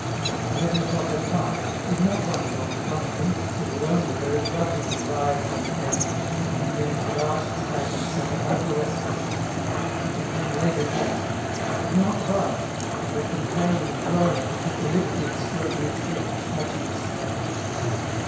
If eleven o'clock had passed it did not run along in front of him, but would only, very grudgingly, rise when he came up, and then it would arch its back and suffer no caresses. When he came later yet, it would not budge, and would complain and groan if he took the liberty of stroking its head or scratching its throat.